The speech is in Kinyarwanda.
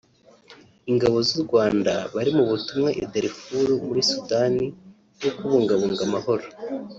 Ingabo z’u Rwanda bari mu butumwa i Darfur muri Sudani bwo kubungabunga amahoro